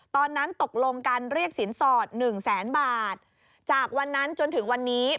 ตอนนั้นตกลงกันเรียกสินสอดหนึ่งแสนบาทจากวันนั้นจนถึงวันนี้